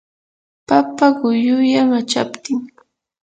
papa quyuyan achaptin.